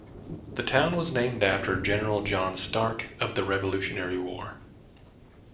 The town was named after General John Stark of the Revolutionary War.